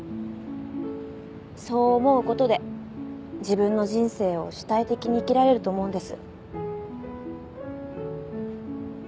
そう思うことで自分の人生を主体的に生きられると思うんです。